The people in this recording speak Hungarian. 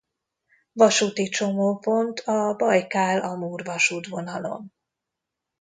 Vasúti csomópont a Bajkál–Amur-vasútvonalon.